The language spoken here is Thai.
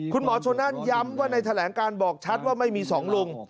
คุณหมอชนนั่นย้ำว่าในแถลงการบอกชัดว่าไม่มีสองลุง